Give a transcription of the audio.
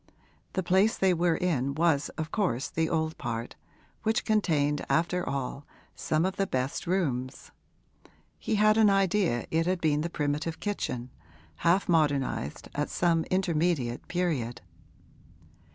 The place they were in was of course in the old part, which contained after all some of the best rooms: he had an idea it had been the primitive kitchen, half modernised at some intermediate period.